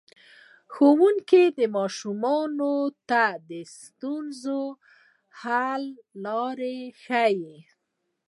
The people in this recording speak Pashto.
ښوونځی ماشومانو ته د ستونزو د حل لاره ښيي.